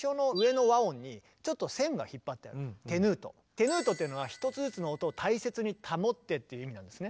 テヌートっていうのは「１つずつの音を大切に保って」っていう意味なんですね。